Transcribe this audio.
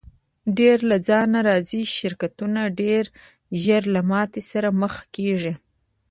ډېری له ځانه راضي شرکتونه ډېر ژر له ماتې سره مخ کیږي.